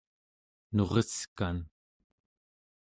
nureskan